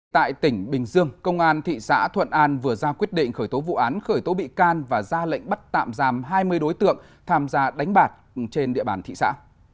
tại tỉnh bình dương công an thị xã thuận an vừa ra quyết định khởi tố vụ án khởi tố bị can và ra lệnh bắt tạm giam hai mươi đối tượng tham gia đánh bạc trên địa bàn thị xã